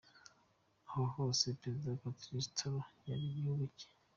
Aha hose Perezida Patrice Talon yari mu gihugu cye